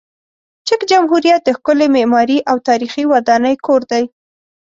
چک جمهوریت د ښکلې معماري او تاریخي ودانۍ کور دی.